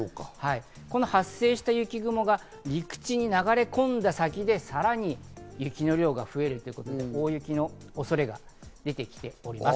この発生した雪雲が陸地に流れ込んだ先でさらに雪の量が増える、大雪の恐れが出てきております。